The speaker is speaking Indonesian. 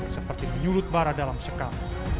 seperti menyulut bara dalam sekam